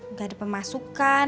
gak ada pemasukan